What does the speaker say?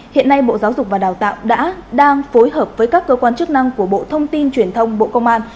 hiện nay bộ giáo dục và đào tạo đã đang phối hợp với các cơ quan chức năng của bộ thông tin truyền thông bộ công an